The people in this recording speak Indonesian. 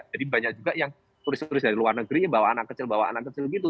jadi banyak juga yang turis turis dari luar negeri bawa anak kecil bawa anak kecil gitu